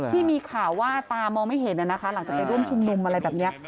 ที่มีข่าวว่าตามองไม่เห็นนะคะหลังจากไปร่วมชุมนุมอะไรแบบนี้